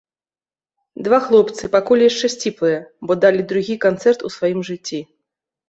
Два хлопцы, пакуль яшчэ сціплыя, бо далі другі канцэрт у сваім жыцці.